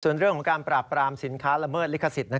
ส่วนเรื่องของการปราบปรามสินค้าละเมิดลิขสิทธิ์